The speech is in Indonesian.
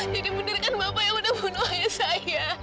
jadi benar kan bapak yang sudah bunuh ayah saya